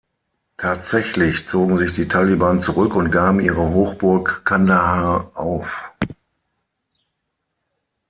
Tatsächlich zogen sich die Taliban zurück und gaben ihre Hochburg Kandahar auf.